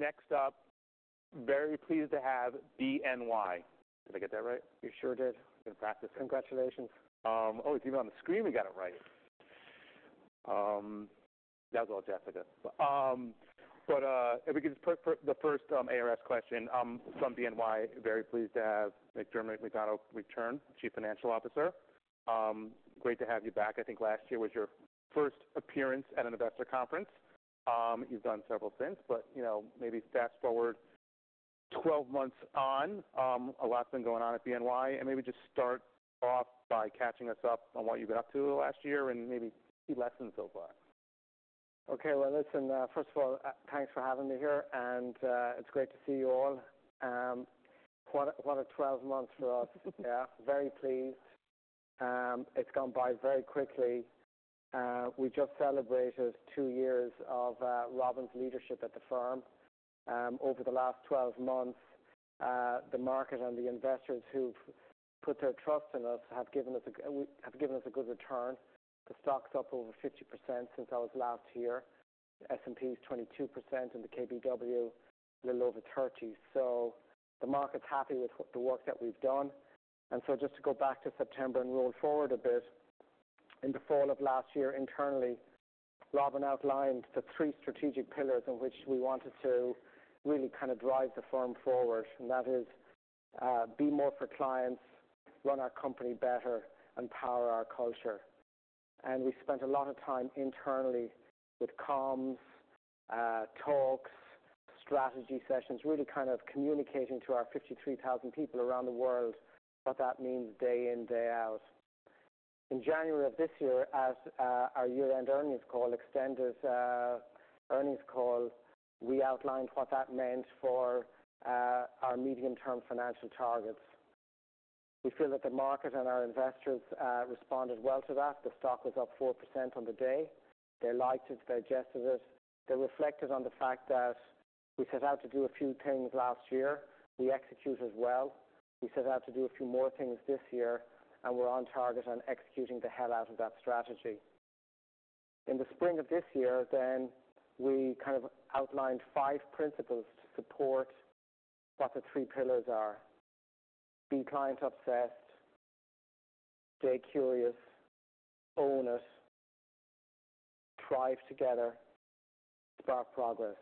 Next up, very pleased to have BNY. Did I get that right? You sure did. In practice. Congratulations. Oh, it's even on the screen we got it right. That was all Jessica. But, if we could put the first ARS question, from BNY, very pleased to have Dermot McDonogh return, Chief Financial Officer. Great to have you back. I think last year was your first appearance at an investor conference. You've done several since, but, you know, maybe fast-forward twelve months on, a lot's been going on at BNY, and maybe just start off by catching us up on what you've been up to last year and maybe key lessons so far. Okay, well, listen, first of all, thanks for having me here, and it's great to see you all. What a 12 months for us. Yeah, very pleased. It's gone by very quickly. We just celebrated two years of Robin's leadership at the firm. Over the last 12 months, the market and the investors who've put their trust in us have given us a good return. The stock's up over 50% since I was last here. S&P is 22%, and the KBW, a little over 30%. So the market's happy with the work that we've done. And so just to go back to September and roll forward a bit, in the fall of last year, internally, Robin outlined the three strategic pillars in which we wanted to really kind of drive the firm forward, and that is, be more for clients, run our company better, and power our culture. And we spent a lot of time internally with comms, talks, strategy sessions, really kind of communicating to our 53,000 people around the world what that means day in, day out. In January of this year, as our year-end earnings call extended, earnings call, we outlined what that meant for our medium-term financial targets. We feel that the market and our investors responded well to that. The stock was up 4% on the day. They liked it. They digested it. They reflected on the fact that we set out to do a few things last year. We executed well. We set out to do a few more things this year, and we're on target on executing the hell out of that strategy. In the spring of this year then, we kind of outlined five principles to support what the three pillars are: Be client obsessed, stay curious, own it, thrive together, spark progress.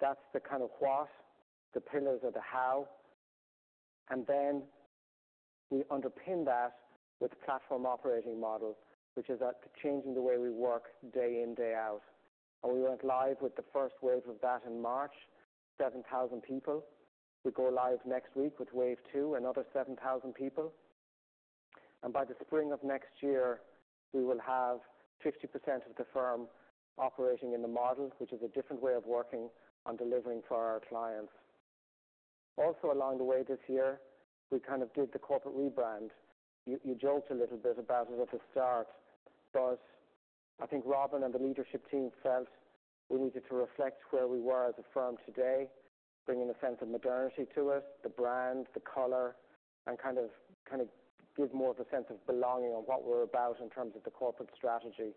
That's the kind of what, the pillars are the how, and then we underpin that with Platform Operating Model, which is that changing the way we work day in, day out, and we went live with the first wave of that in March, 7,000 people. We go live next week with wave two, another 7,000 people, and by the spring of next year, we will have 50% of the firm operating in the model, which is a different way of working on delivering for our clients. Also, along the way, this year, we kind of did the corporate rebrand. You joked a little bit about it at the start, but I think Robin and the leadership team felt we needed to reflect where we were as a firm today, bringing a sense of modernity to us, the brand, the color, and kind of, kind of give more of a sense of belonging on what we're about in terms of the corporate strategy,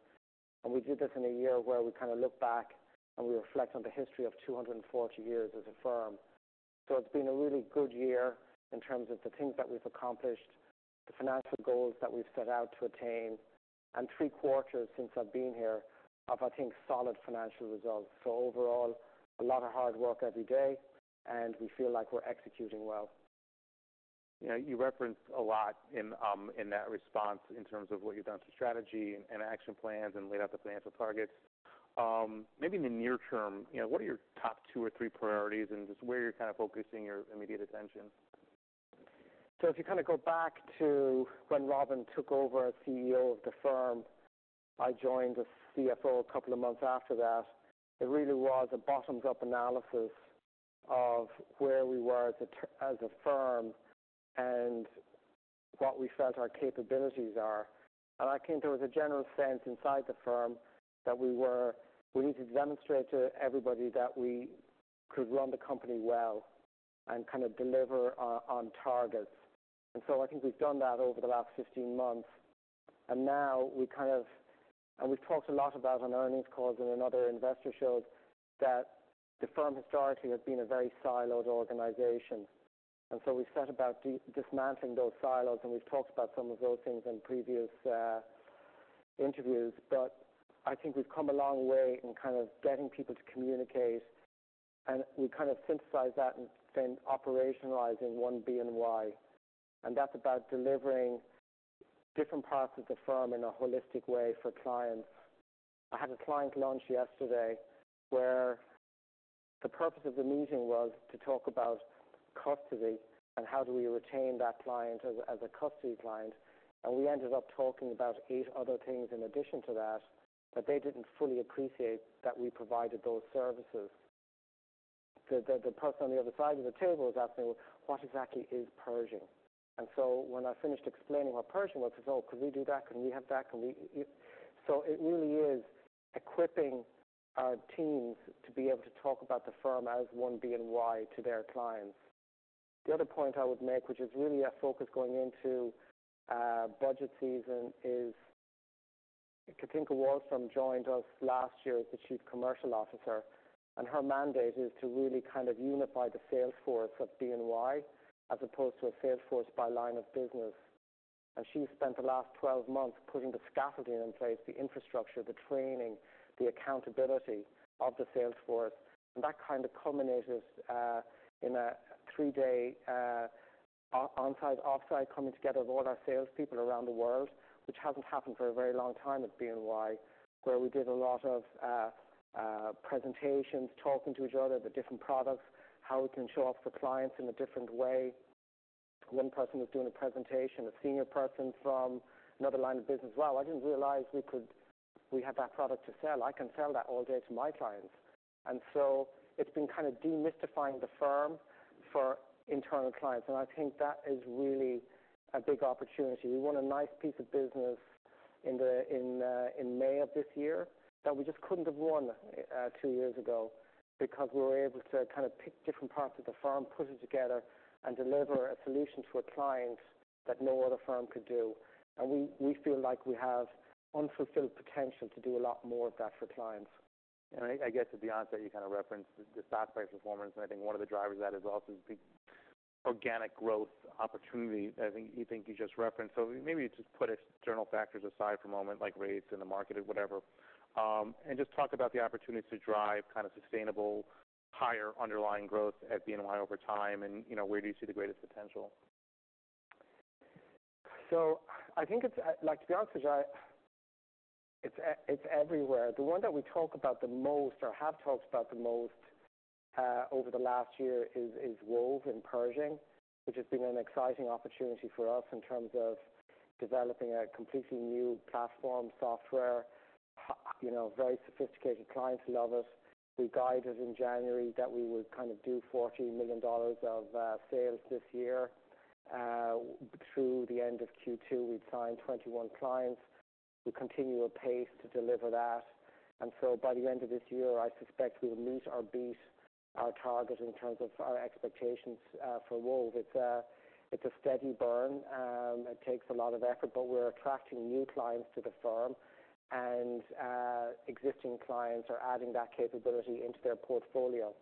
we did this in a year where we kind of look back and we reflect on the history of 240 years as a firm. So it's been a really good year in terms of the things that we've accomplished, the financial goals that we've set out to attain, and three quarters since I've been here of, I think, solid financial results. So overall, a lot of hard work every day, and we feel like we're executing well. Yeah, you referenced a lot in that response in terms of what you've done to strategy and action plans and laid out the financial targets. Maybe in the near term, you know, what are your top two or three priorities and just where you're kind of focusing your immediate attention? So if you kind of go back to when Robin took over as CEO of the firm, I joined as CFO a couple of months after that. It really was a bottoms-up analysis of where we were as a firm and what we felt our capabilities are. And I think there was a general sense inside the firm that we were. We needed to demonstrate to everybody that we could run the company well and kind of deliver on targets. And so I think we've done that over the last 15 months. And now we kind of. And we've talked a lot about on earnings calls and in other investor shows, that the firm historically has been a very siloed organization, and so we set about dismantling those silos, and we've talked about some of those things in previous interviews. But I think we've come a long way in kind of getting people to communicate, and we kind of synthesize that and then operationalizing one BNY, and that's about delivering different parts of the firm in a holistic way for clients. I had a client lunch yesterday, where the purpose of the meeting was to talk about custody and how do we retain that client as a custody client, and we ended up talking about eight other things in addition to that, but they didn't fully appreciate that we provided those services. The person on the other side of the table was asking me, "What exactly is Pershing?" and so when I finished explaining what Pershing was, he said, "Oh, could we do that? Can we have that? Can we..." So it really is equipping our teams to be able to talk about the firm as one BNY to their clients. The other point I would make, which is really our focus going into budget season, is Cathinka Wahlstrom joined us last year as the Chief Commercial Officer, and her mandate is to really kind of unify the sales force of BNY, as opposed to a sales force by line of business. And she spent the last 12 months putting the scaffolding in place, the infrastructure, the training, the accountability of the sales force. And that kind of culminated in a three-day on-site, off-site coming together of all our salespeople around the world, which hasn't happened for a very long time at BNY. Where we did a lot of presentations, talking to each other, the different products, how we can show off the clients in a different way. One person was doing a presentation, a senior person from another line of business. "Wow, I didn't realize we had that product to sell. I can sell that all day to my clients." And so it's been kind of demystifying the firm for internal clients, and I think that is really a big opportunity. We won a nice piece of business in May of this year, that we just couldn't have won two years ago because we were able to kind of pick different parts of the firm, put it together, and deliver a solution to a client that no other firm could do. We feel like we have unfulfilled potential to do a lot more of that for clients. I guess, to be honest, that you kind of referenced the stock price performance, and I think one of the drivers of that is also the big organic growth opportunity I think you think you just referenced. Maybe just put external factors aside for a moment, like rates in the market or whatever, and just talk about the opportunities to drive kind of sustainable, higher underlying growth at BNY over time. You know, where do you see the greatest potential? I think it's, like, to be honest with you, Jai, it's everywhere. The one that we talk about the most or have talked about the most over the last year is Wove and Pershing, which has been an exciting opportunity for us in terms of developing a completely new platform software. You know, very sophisticated clients love it. We guided in January that we would kind of do $14 million of sales this year. Through the end of Q2, we'd signed 21 clients. We continue apace to deliver that, and so by the end of this year, I suspect we'll meet or beat our target in terms of our expectations for Wove. It's a steady burn. It takes a lot of effort, but we're attracting new clients to the firm, and existing clients are adding that capability into their portfolio.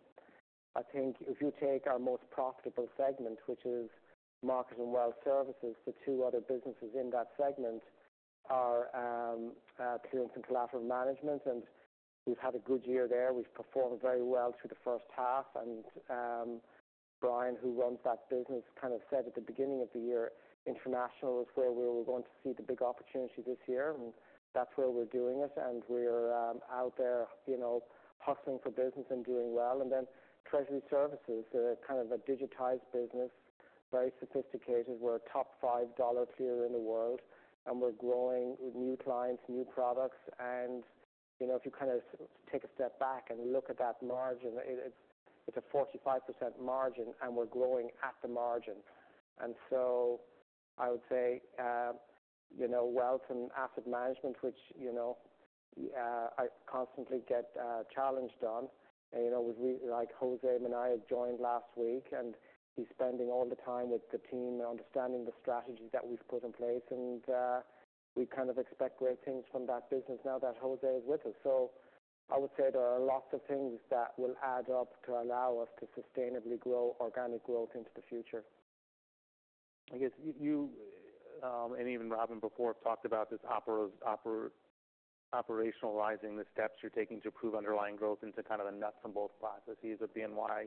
I think if you take our most profitable segment, which is Markets and Wealth Services, the two other businesses in that segment are Clearance and Collateral Management, and we've had a good year there. We've performed very well through H1, and Brian, who runs that business, kind of said at the beginning of the year, international is where we were going to see the big opportunity this year, and that's where we're doing it, and we're out there, you know, hustling for business and doing well, and then Treasury Services, kind of a digitized business, very sophisticated. We're a top five dollar clearer in the world, and we're growing with new clients, new products. You know, if you kind of take a step back and look at that margin, it's a 45% margin, and we're growing at the margin. So I would say, you know, Wealth and Asset Management, which, you know, I constantly get challenged on, and, you know, with, like, José Minaya joined last week, and he's spending all the time with the team and understanding the strategy that we've put in place. We kind of expect great things from that business now that José is with us. I would say there are lots of things that will add up to allow us to sustainably grow organic growth into the future. I guess, you, and even Robin before, have talked about this operationalizing the steps you're taking to improve underlying growth into kind of a nuts and bolts processes of BNY.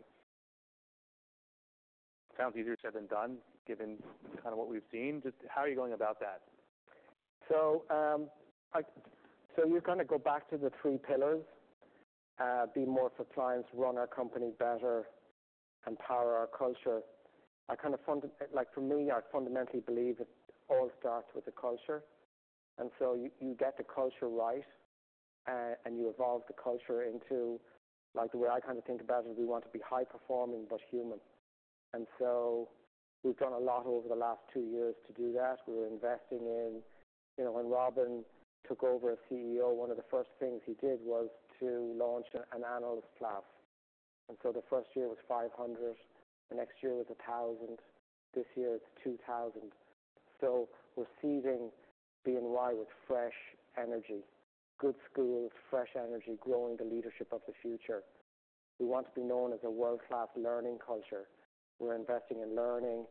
Sounds easier said than done, given kind of what we've seen. Just how are you going about that? So we kind of go back to the three pillars: be more for clients, run our company better, empower our culture. Like, for me, I fundamentally believe it all starts with the culture. And so you get the culture right, and you evolve the culture into, like the way I kind of think about it, we want to be high performing, but human. And so we've done a lot over the last two years to do that. We're investing in. You know, when Robin took over as CEO, one of the first things he did was to launch an analyst class. And so the first year was 500, the next year was 1,000, this year it's 2,000. So we're seeding BNY with fresh energy, good schools, fresh energy, growing the leadership of the future. We want to be known as a world-class learning culture. We're investing in learning.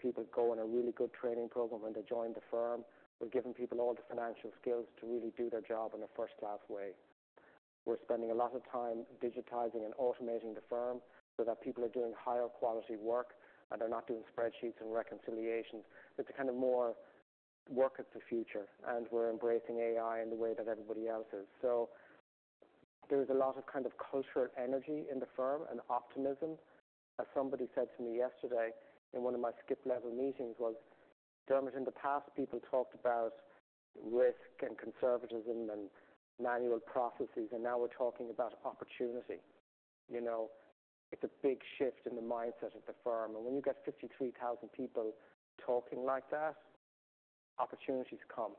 People go on a really good training program when they join the firm. We're giving people all the financial skills to really do their job in a first-class way. We're spending a lot of time digitizing and automating the firm so that people are doing higher quality work, and they're not doing spreadsheets and reconciliations. It's a kind of more work of the future, and we're embracing AI in the way that everybody else is. So there's a lot of kind of cultural energy in the firm and optimism. As somebody said to me yesterday in one of my skip-level meetings was, "Dermot, in the past, people talked about risk and conservatism and manual processes, and now we're talking about opportunity." You know, it's a big shift in the mindset of the firm. And when you get 50,00 people talking like that, opportunities come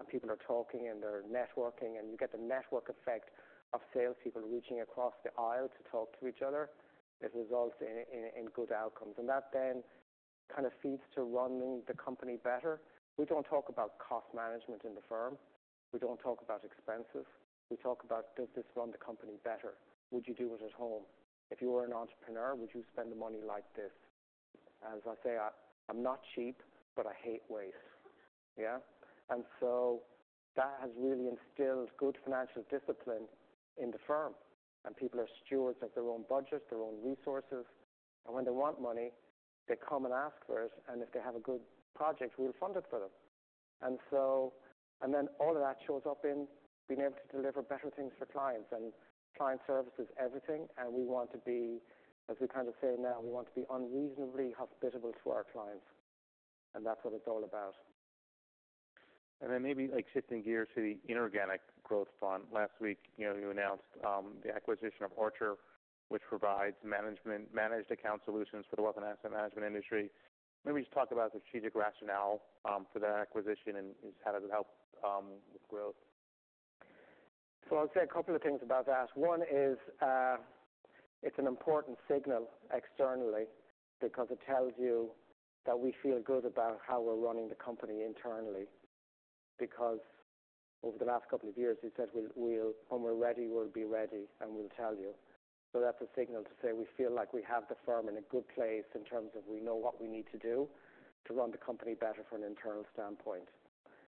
and people are talking and they're networking, and you get the network effect of salespeople reaching across the aisle to talk to each other. It results in good outcomes. And that then kind of feeds to running the company better. We don't talk about cost management in the firm. We don't talk about expenses. We talk about does this run the company better? Would you do it at home? If you were an entrepreneur, would you spend the money like this? As I say, I'm not cheap, but I hate waste. Yeah? That has really instilled good financial discipline in the firm, and people are stewards of their own budget, their own resources, and when they want money, they come and ask for it, and if they have a good project, we'll fund it for them. Then all of that shows up in being able to deliver better things for clients. Client service is everything, and we want to be, as we kind of say now, we want to be unreasonably hospitable to our clients, and that's what it's all about. Then maybe, like, shifting gears to the inorganic growth fund. Last week, you know, you announced the acquisition of Archer, which provides managed account solutions for the Wealth and Asset Management industry. Maybe just talk about the strategic rationale for that acquisition, and how does it help with growth? So I'll say a couple of things about that. One is, it's an important signal externally because it tells you that we feel good about how we're running the company internally, because over the last couple of years, we said, "We'll... When we're ready, we'll be ready, and we'll tell you." So that's a signal to say, we feel like we have the firm in a good place in terms of we know what we need to do to run the company better from an internal standpoint.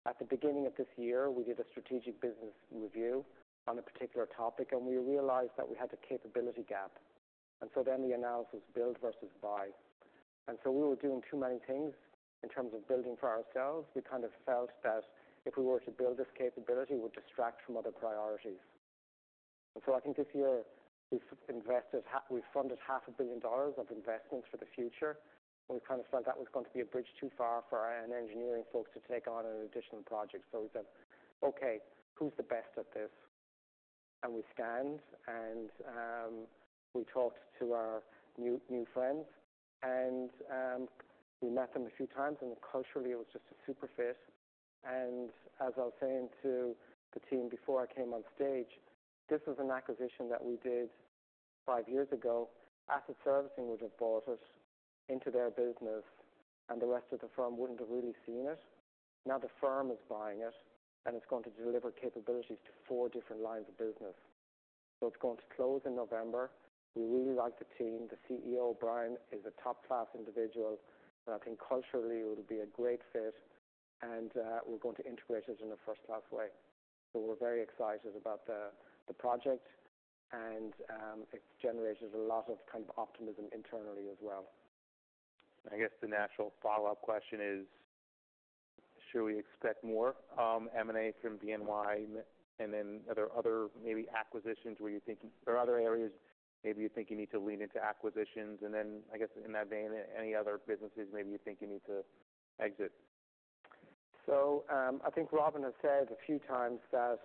At the beginning of this year, we did a strategic business review on a particular topic, and we realized that we had a capability gap, and so then the analysis build versus buy. And so we were doing too many things in terms of building for ourselves. We kind of felt that if we were to build this capability, it would distract from other priorities. So I think this year we've funded $500 million of investments for the future, and we kind of felt that was going to be a bridge too far for our engineering folks to take on an additional project. So we said, "Okay, who's the best at this?" We scanned and we talked to our new friends, and we met them a few times, and culturally, it was just a super fit. As I was saying to the team before I came on stage, this was an acquisition that we did five years ago. Asset Servicing would have brought us into their business, and the rest of the firm wouldn't have really seen it. Now, the firm is buying it, and it's going to deliver capabilities to four different lines of business. So it's going to close in November. We really like the team. The CEO, Brian, is a top-class individual, and I think culturally it will be a great fit, and we're going to integrate it in a first-class way. So we're very excited about the project, and it generates a lot of kind of optimism internally as well. I guess the natural follow-up question is, should we expect more M&A from BNY? And then are there other maybe acquisitions where you're thinking or other areas maybe you think you need to lean into acquisitions? And then, I guess, in that vein, any other businesses maybe you think you need to exit? I think Robin has said a few times that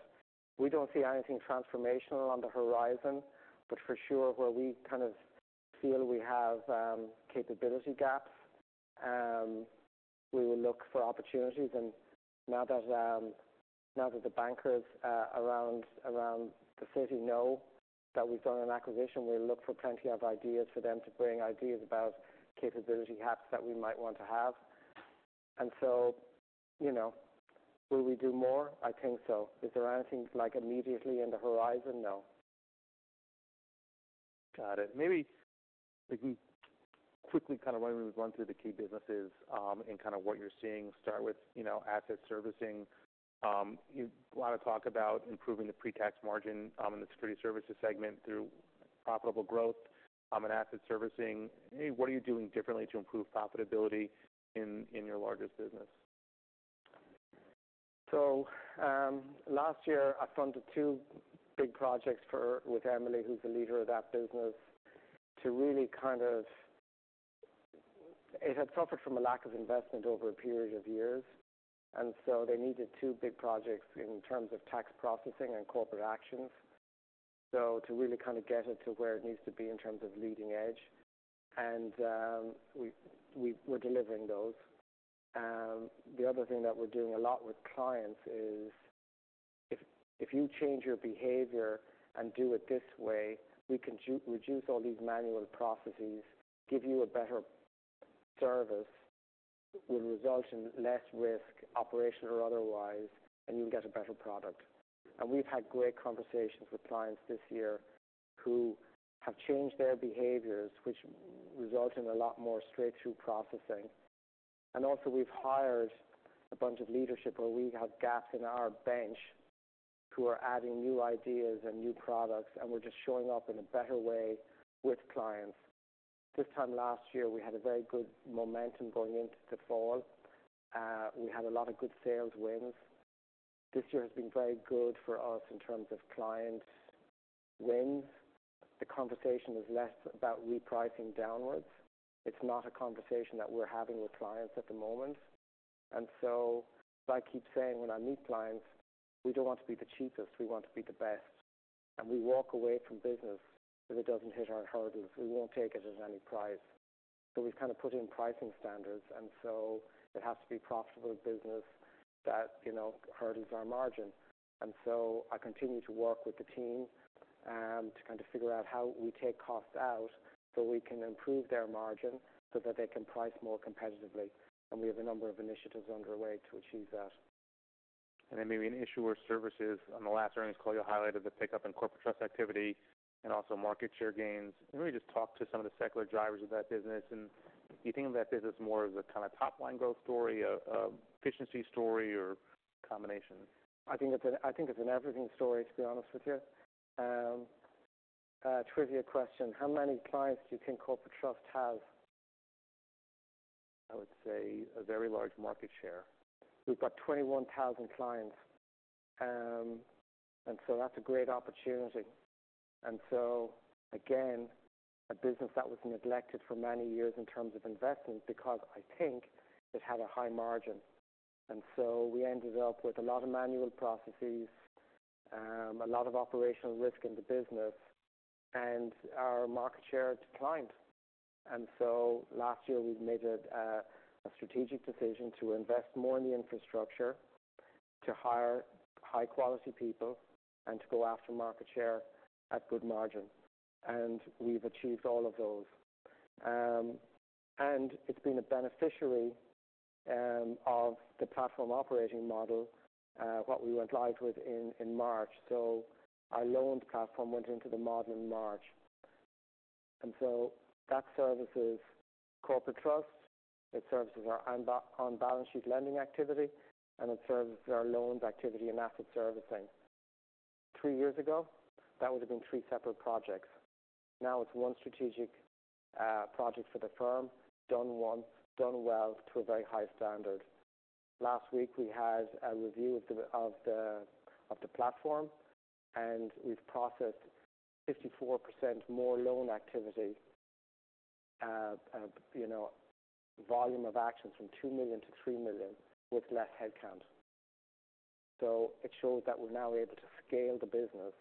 we don't see anything transformational on the horizon, but for sure, where we kind of feel we have capability gaps, we will look for opportunities. Now that the bankers around the city know that we've done an acquisition, we look for plenty of ideas for them to bring ideas about capability gaps that we might want to have. You know, will we do more? I think so. Is there anything, like, immediately in the horizon? No. Got it. Maybe if we quickly kind of run through the key businesses, and kind of what you're seeing. Start with, you know, Asset Servicing. There's a lot of talk about improving the pre-tax margin, in the Security Services segment through profitable growth, and Asset Servicing. Hey, what are you doing differently to improve profitability in your largest business? So, last year I funded two big projects with Emily, who's the leader of that business, to really kind of get it to where it needs to be in terms of leading edge. It had suffered from a lack of investment over a period of years, and so they needed two big projects in terms of tax processing and corporate actions. So to really kind of get it to where it needs to be in terms of leading edge, and we're delivering those. The other thing that we're doing a lot with clients is if you change your behavior and do it this way, we can reduce all these manual processes, give you a better service, will result in less risk, operational or otherwise, and you'll get a better product. And we've had great conversations with clients this year who have changed their behaviors, which result in a lot more straight-through processing. And also we've hired a bunch of leadership where we have gaps in our bench, who are adding new ideas and new products, and we're just showing up in a better way with clients. This time last year, we had a very good momentum going into the fall. We had a lot of good sales wins. This year has been very good for us in terms of client wins. The conversation is less about repricing downwards. It's not a conversation that we're having with clients at the moment. And so I keep saying when I meet clients, "We don't want to be the cheapest. We want to be the best." And we walk away from business if it doesn't hit our hurdles. We won't take it at any price. So we've kind of put in pricing standards, and so it has to be profitable business that, you know, hurdles our margin. And so I continue to work with the team to kind of figure out how we take costs out, so we can improve their margin, so that they can price more competitively. And we have a number of initiatives underway to achieve that. Then maybe in Issuer Services. On the last earnings call, you highlighted the pickup in Corporate Trust activity and also market share gains. Can you just talk to some of the secular drivers of that business, and do you think of that business more as a kind of top-line growth story, a efficiency story, or combination? I think it's an everything story, to be honest with you. A trivia question: How many clients do you think Corporate Trust have? I would say a very large market share. We've got 21,000 clients. And so that's a great opportunity. And so again, a business that was neglected for many years in terms of investment because I think it had a high margin. And so we ended up with a lot of manual processes, a lot of operational risk in the business, and our market share declined. And so last year, we made it a strategic decision to invest more in the infrastructure, to hire high-quality people, and to go after market share at good margin. And we've achieved all of those. And it's been a beneficiary of the Platform Operating Model, what we went live with in March. So our loans platform went into the model in March, and so that services Corporate Trust, it services our on-balance sheet lending activity, and it services our loans activity and Asset Servicing. Three years ago, that would have been three separate projects. Now it's one strategic project for the firm, done once, done well to a very high standard. Last week, we had a review of the platform, and we've processed 54% more loan activity. You know, volume of actions from $2 million to 3 million, with less headcount. So it shows that we're now able to scale the business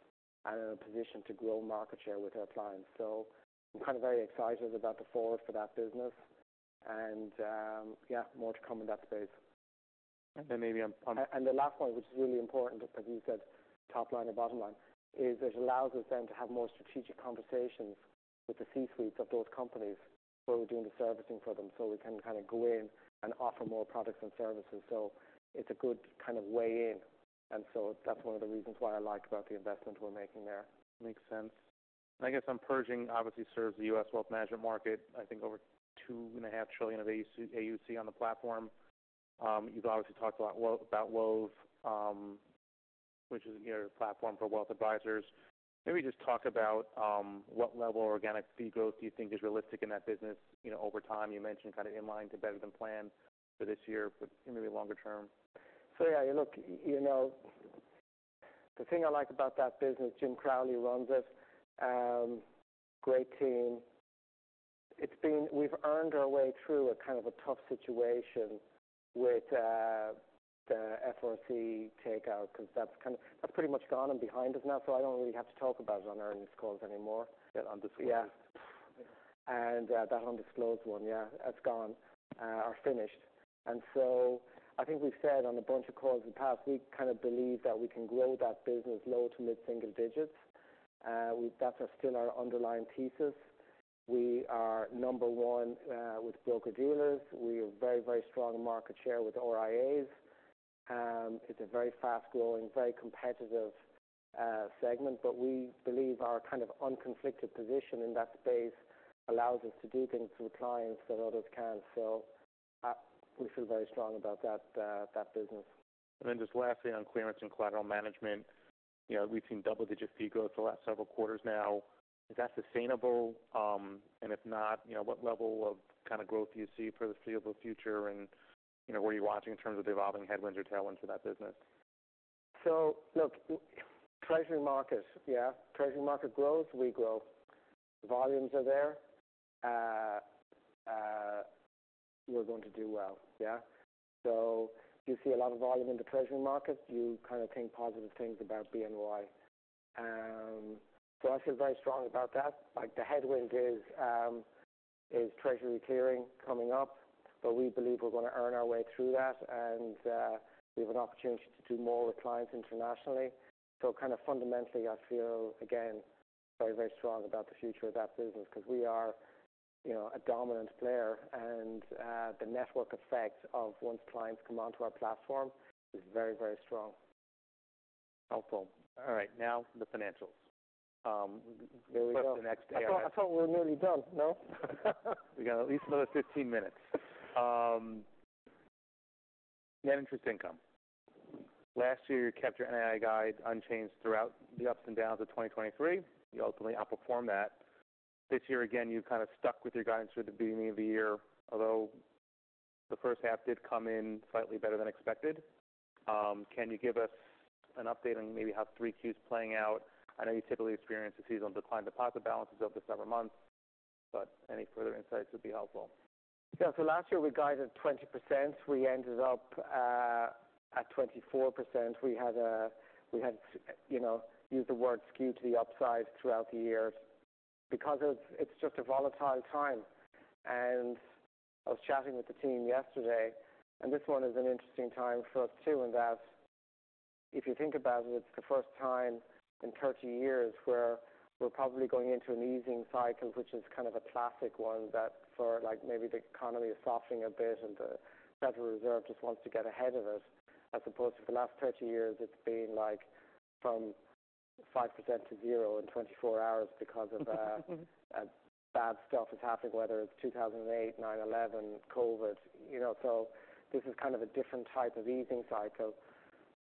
and in a position to grow market share with our clients. So I'm kind of very excited about the future for that business. And yeah, more to come in that space. And then maybe on- And the last point, which is really important, as you said, top line and bottom line, is it allows us then to have more strategic conversations with the C-suites of those companies where we're doing the servicing for them, so we can kind of go in and offer more products and services. So it's a good kind of way in, and so that's one of the reasons why I liked about the investment we're making there. Makes sense. I guess on Pershing, obviously serves the U.S. wealth management market, I think over $2.5 trillion of AUC on the platform. You've obviously talked a lot about Wove, which is your platform for wealth advisors. Maybe just talk about what level of organic fee growth do you think is realistic in that business, you know, over time? You mentioned kind of in line to better than planned for this year, but maybe longer term. Yeah, look, you know, the thing I like about that business. Jim Crowley runs it. Great team. It's been. We've earned our way through a kind of a tough situation with the FRC takeout, because that's pretty much gone and behind us now, so I don't really have to talk about it on earnings calls anymore. On this one. Yeah, and that undisclosed one, yeah, that's gone or finished, and so I think we've said on a bunch of calls in the past, we kind of believe that we can grow that business low to mid single digits. That's still our underlying thesis. We are number one with broker-dealers. We have very, very strong market share with RIAs. It's a very fast-growing, very competitive segment, but we believe our kind of unconflicted position in that space allows us to do things with clients that others can't, so we feel very strong about that business. And then just lastly, on Clearance and Collateral Management, you know, we've seen double-digit fee growth the last several quarters now. Is that sustainable? And if not, you know, what level of kind of growth do you see for the foreseeable future? And, you know, what are you watching in terms of evolving headwinds or tailwinds for that business? So look, treasury markets, yeah. Treasury market growth, we grow. Volumes are there. We're going to do well, yeah. So you see a lot of volume in the treasury market, you kind of think positive things about BNY. So I feel very strong about that. Like, the headwind is, is treasury clearing coming up, but we believe we're going to earn our way through that, and, we have an opportunity to do more with clients internationally. So kind of fundamentally, I feel, again, very, very strong about the future of that business because we are, you know, a dominant player, and, the network effect of once clients come onto our platform is very, very strong. Helpful. All right, now the financials. There we go. The next- I thought we were nearly done, no? We got at least another 15 minutes. Net interest income. Last year, you kept your NII guide unchanged throughout the ups and downs of 2023. You ultimately outperformed that. This year, again, you kind of stuck with your guidance through the beginning of the year, although H1 did come in slightly better than expected. Can you give us an update on maybe how Q3's playing out? I know you typically experience a seasonal decline in deposit balances over the summer months, but any further insights would be helpful. Yeah. So last year we guided 20%. We ended up at 24%. We had, you know, used the word skew to the upside throughout the year because it's just a volatile time. And I was chatting with the team yesterday, and this one is an interesting time for us, too, in that if you think about it, it's the first time in 30 years where we're probably going into an easing cycle, which is kind of a classic one that for, like, maybe the economy is softening a bit and the Federal Reserve just wants to get ahead of it, as opposed to the last 30 years, it's been, like, from 5% to 0% in 24 hours because of bad stuff that's happened, whether it's 2008, 9/11, COVID. You know, so this is kind of a different type of easing cycle,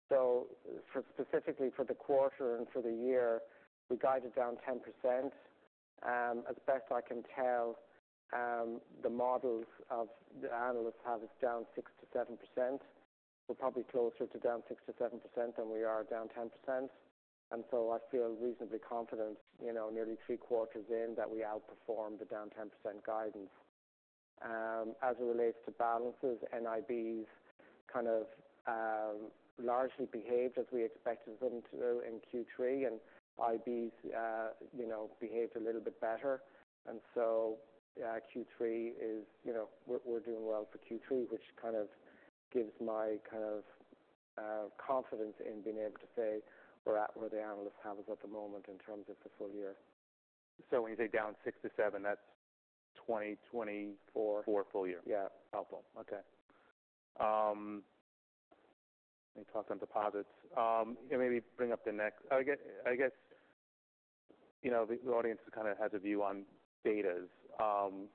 so for specifically for the quarter and for the year, we guided down 10%. As best I can tell, the models of the analysts have it down 6% to 7%. We're probably closer to down 6% to 7% than we are down 10%, and so I feel reasonably confident, you know, nearly three quarters in, that we outperformed the down 10% guidance. As it relates to balances, NIBs kind of largely behaved as we expected them to do in Q3, and IBs you know, behaved a little bit better, and so, yeah, Q3 is... You know, we're doing well for Q3, which kind of gives my kind of confidence in being able to say we're at where the analysts have us at the moment in terms of the full year. So when you say down six to seven, that's 202- Four. Q4, full year. Yeah. Helpful. Okay. Let me talk on deposits. Yeah, maybe bring up the next-- I get, I guess, you know, the audience kind of has a view on betas.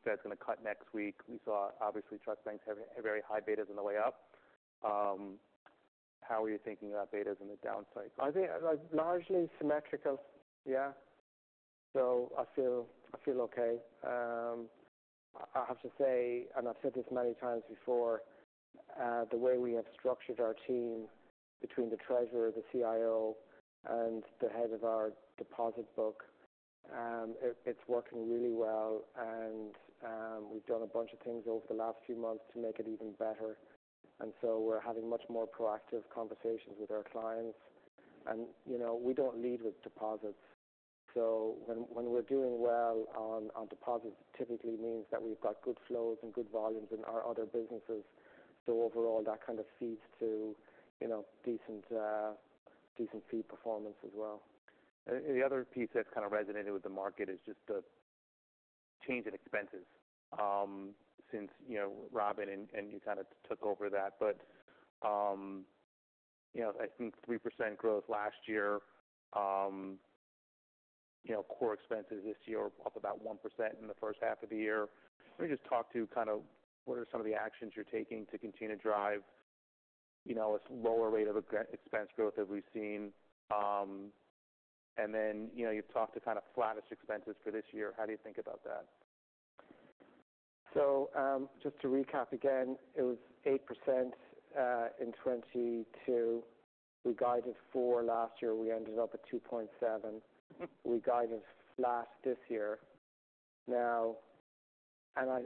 Fed's going to cut next week. We saw, obviously, trust banks have a very high betas on the way up. How are you thinking about betas in the down cycle? I think, like, largely symmetrical. Yeah. I feel okay. I have to say, and I've said this many times before, the way we have structured our team between the treasurer, the CIO, and the head of our deposit book, it's working really well. We've done a bunch of things over the last few months to make it even better, and so we're having much more proactive conversations with our clients. You know, we don't lead with deposits, so when we're doing well on deposits, it typically means that we've got good flows and good volumes in our other businesses. Overall, that kind of feeds to, you know, decent fee performance as well. And the other piece that's kind of resonated with the market is just the change in expenses, since you know, Robin and you kind of took over that. But you know, I think 3% growth last year, you know, core expenses this year are up about 1% in H1 of the year. Let me just talk to kind of what are some of the actions you're taking to continue to drive you know, a lower rate of expense growth as we've seen. And then, you know, you've talked to kind of flattest expenses for this year. How do you think about that? Just to recap, again, it was 8% in 2022. We guided 4% last year, we ended up at 2.7%. Mm-hmm. We guided flat this year. Now, and I,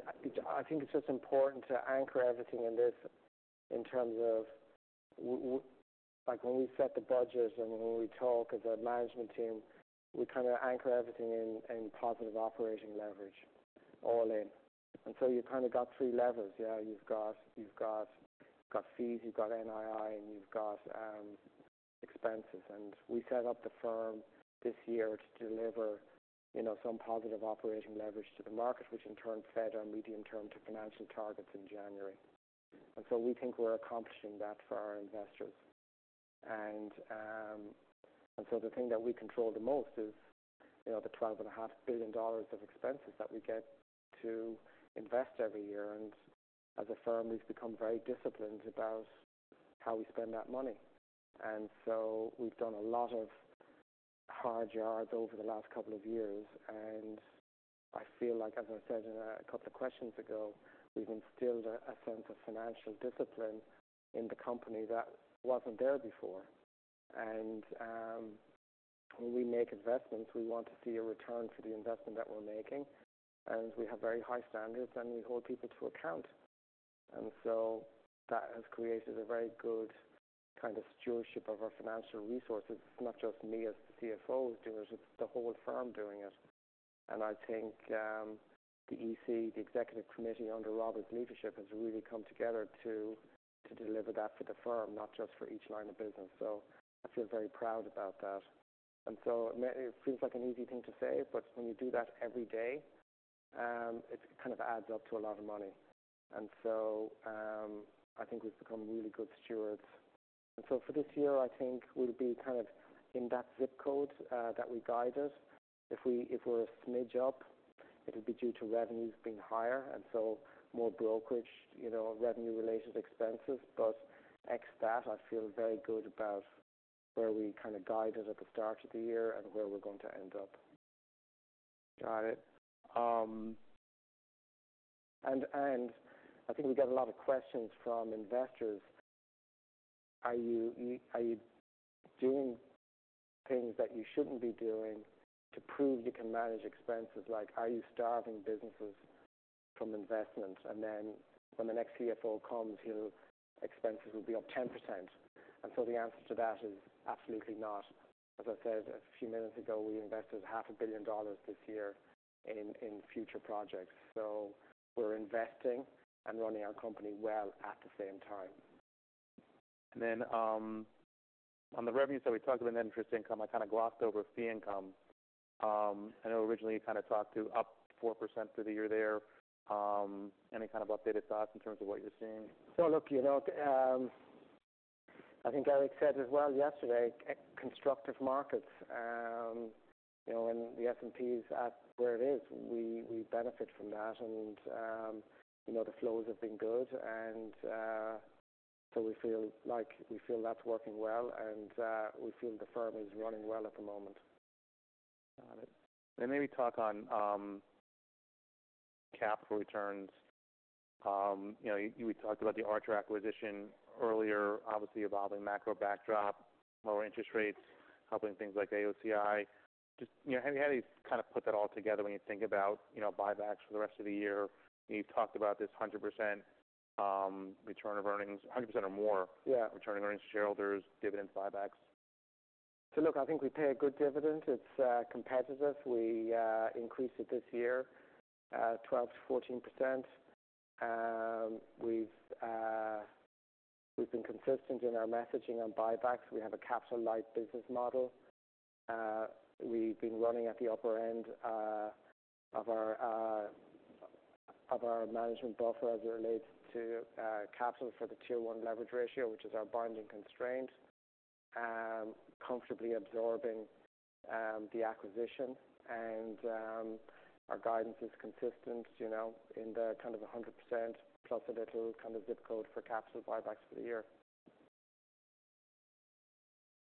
I think it's just important to anchor everything in this in terms of like, when we set the budget and when we talk as a management team, we kind of anchor everything in, in positive operating leverage, all in. And so you've kind of got three levers. Yeah, you've got fees, you've got NII, and you've got expenses. And we set up the firm this year to deliver, you know, some positive operating leverage to the market, which in turn fed our medium-term to financial targets in January. And so we think we're accomplishing that for our investors. And, and so the thing that we control the most is, you know, the $12.5 billion of expenses that we get to invest every year. And as a firm, we've become very disciplined about how we spend that money. And so we've done a lot of hard yards over the last couple of years, and I feel like, as I said in a couple of questions ago, we've instilled a sense of financial discipline in the company that wasn't there before. And when we make investments, we want to see a return for the investment that we're making, and we have very high standards, and we hold people to account. And so that has created a very good kind of stewardship of our financial resources. It's not just me as the CFO doing it, it's the whole firm doing it. And I think the EC, the Executive Committee under Robin's leadership, has really come together to deliver that for the firm, not just for each line of business. I feel very proud about that. It feels like an easy thing to say, but when you do that every day, it kind of adds up to a lot of money. I think we've become really good stewards. For this year, I think we'll be kind of in that zip code that we guided. If we're a smidge up, it'll be due to revenues being higher, and so more brokerage, you know, revenue-related expenses. Ex that, I feel very good about where we kind of guided at the start of the year and where we're going to end up. Got it. And I think we get a lot of questions from investors. Are you doing things that you shouldn't be doing to prove you can manage expenses? Like, are you starving businesses?... from investment, and then when the next CFO comes, he'll say expenses will be up 10%. And so the answer to that is absolutely not. As I said a few minutes ago, we invested $500 million this year in future projects. So we're investing and running our company well at the same time. And then, on the revenue side, we talked about net interest income. I kind of glossed over fee income. I know originally you kind of talked to up 4% through the year there. Any kind of updated thoughts in terms of what you're seeing? So look, you know, I think Eric said as well yesterday, constructive markets, you know, when the S&P is at where it is, we benefit from that, and you know, the flows have been good, and so we feel like that's working well, and we feel the firm is running well at the moment. Got it. And maybe talk on capital returns. You know, we talked about the Archer acquisition earlier, obviously, evolving macro backdrop, lower interest rates, helping things like AOCI. Just, you know, how do you kind of put that all together when you think about, you know, buybacks for the rest of the year? You talked about this 100% return of earnings, 100% or more- Yeah. return of earnings to shareholders, dividends, buybacks. So look, I think we pay a good dividend. It's competitive. We increased it this year, 12% to 14%. We've been consistent in our messaging on buybacks. We have a capital light business model. We've been running at the upper end of our management buffer as it relates to capital for the Tier 1 leverage ratio, which is our binding constraint, comfortably absorbing the acquisition. And our guidance is consistent, you know, in the kind of 100% plus a little kind of zip code for capital buybacks for the year.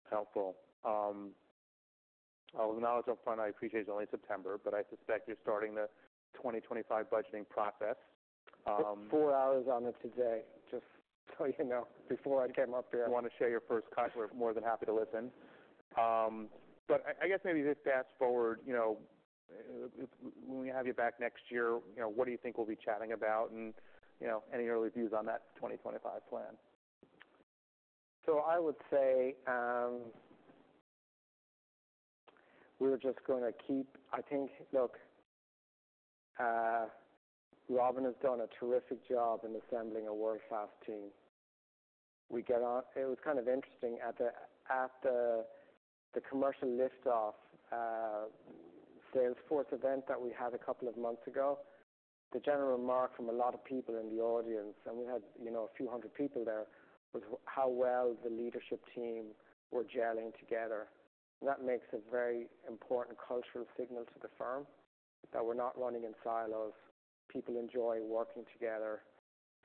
Helpful. I'll acknowledge up front, I appreciate it's only September, but I suspect you're starting the 2025 budgeting process. Four hours on it today. Just so you know, before I came up here. If you want to share your first cut, we're more than happy to listen, but I guess maybe just fast forward, you know, when we have you back next year, you know, what do you think we'll be chatting about, and you know, any early views on that plan? So I would say, I think, look, Robin has done a terrific job in assembling a world-class team. It was kind of interesting, at the commercial lift-off Salesforce event that we had a couple of months ago, the general remark from a lot of people in the audience, and we had, you know, a few hundred people there, was how well the leadership team were gelling together. That makes a very important cultural signal to the firm, that we're not running in silos. People enjoy working together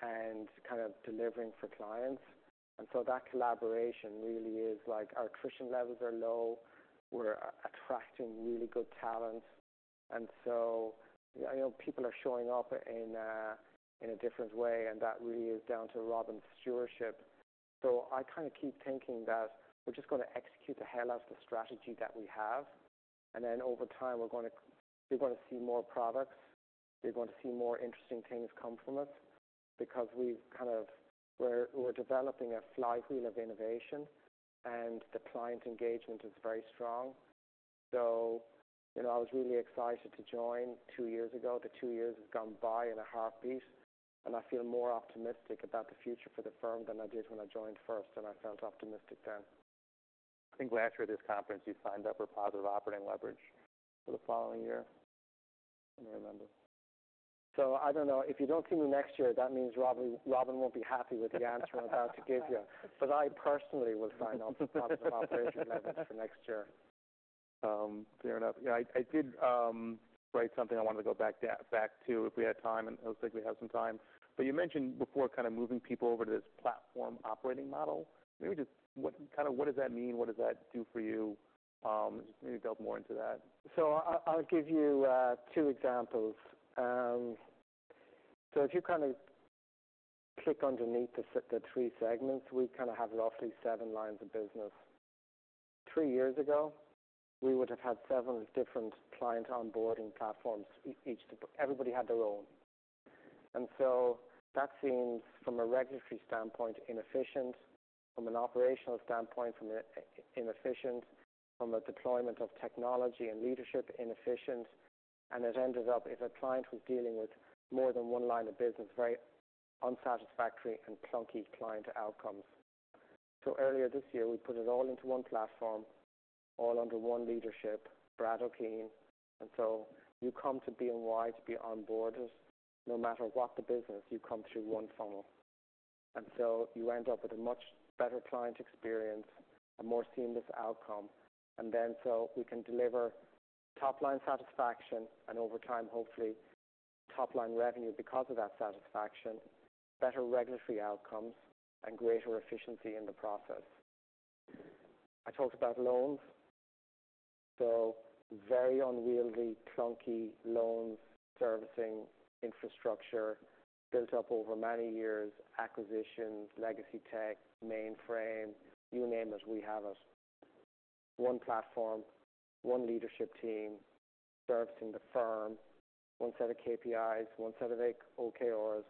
and kind of delivering for clients. And so that collaboration really is like, our attrition levels are low, we're attracting really good talent. And so, you know, people are showing up in a different way, and that really is down to Robin's stewardship. So I kind of keep thinking that we're just going to execute the hell out of the strategy that we have, and then over time, we're going to- you're going to see more products. You're going to see more interesting things come from us because we've kind of- we're developing a flywheel of innovation, and the client engagement is very strong. So, you know, I was really excited to join two years ago. The two years have gone by in a heartbeat, and I feel more optimistic about the future for the firm than I did when I joined first, and I felt optimistic then. I think last year at this conference, you signed up for Positive Operating Leverage for the following year. I remember. So I don't know. If you don't see me next year, that means Robin won't be happy with the answer I'm about to give you. But I personally will sign off Positive Operating Leverage for next year. Fair enough. Yeah, I did write something I wanted to go back to if we had time, and it looks like we have some time. But you mentioned before, kind of moving people over to this platform operating model. Maybe just what... Kind of what does that mean? What does that do for you? Just maybe delve more into that. So I'll, I'll give you two examples. So if you kind of click underneath the three segments, we kind of have roughly seven lines of business. Three years ago, we would have had seven different client onboarding platforms, each, everybody had their own. And so that seemed, from a regulatory standpoint, inefficient, from an operational standpoint, inefficient, from a deployment of technology and leadership, inefficient. And it ended up, if a client was dealing with more than one line of business, very unsatisfactory and clunky client outcomes. So earlier this year, we put it all into one platform, all under one leadership, Brad O'Keefe. And so you come to BNY to be onboarded, no matter what the business, you come through one funnel. And so you end up with a much better client experience, a more seamless outcome, and then so we can deliver top-line satisfaction and over time, hopefully, top-line revenue because of that satisfaction, better regulatory outcomes, and greater efficiency in the process. I talked about loans, so very unwieldy, clunky loans, servicing infrastructure built up over many years, acquisitions, legacy tech, mainframe, you name it, we have it. One platform, one leadership team servicing the firm, one set of KPIs, one set of OKRs,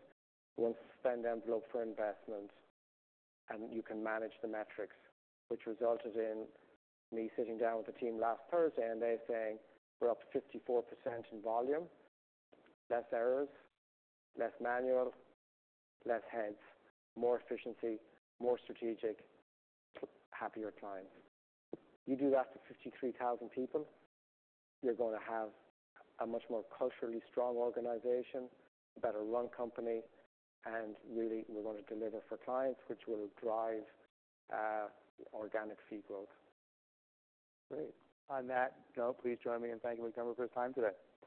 one spend envelope for investment, and you can manage the metrics, which resulted in me sitting down with the team last Thursday and they saying, "We're up 54% in volume, less errors, less manual, less heads, more efficiency, more strategic, happier clients." You do that to 53,000 people, you're going to have a much more culturally strong organization, a better run company, and really, we're going to deliver for clients, which will drive organic fee growth. Great. On that note, please join me in thanking Dermot for his time today.